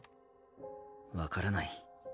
分からない。